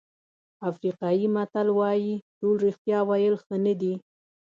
افریقایي متل وایي ټول رښتیا ویل ښه نه دي.